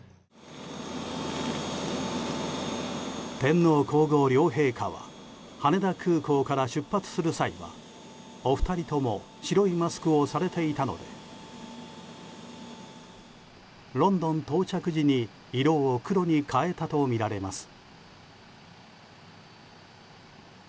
天皇・皇后両陛下は羽田空港から出発する際はお二人とも白いマスクをされていたのでロンドン到着時に色を黒に変えたとみられます。